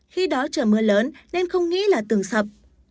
khi đó trời mưa lớn nên không nghĩ là tường sập